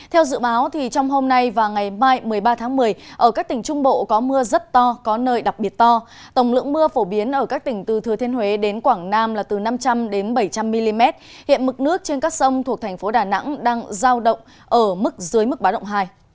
theo dự báo trong hôm nay và ngày mai một mươi ba tháng một mươi ở các tỉnh trung bộ có mưa rất to có nơi đặc biệt to tổng lượng mưa phổ biến ở các tỉnh từ thừa thiên huế đến quảng nam là từ năm trăm linh bảy trăm linh mm hiện mực nước trên các sông thuộc thành phố đà nẵng đang giao động ở mức dưới mức bá động hai